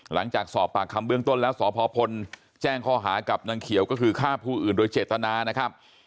หลังจากสอบปากคำเบื้องต้นแล้วสพพลแจ้งข้อหากับนางเขียวก็คือฆ่าผู้อื่นโดยเจตนานะครับ